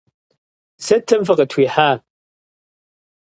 Сытым фыкъытхуихьа?